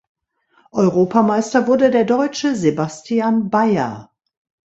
Europameister wurde der Deutsche Sebastian Bayer.